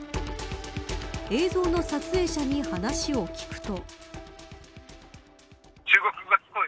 映像の撮影者に話を聞くと。